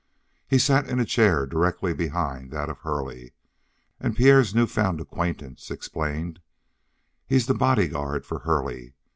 He sat in a chair directly behind that of Hurley, and Pierre's new found acquaintance explained: "He's the bodyguard for Hurley.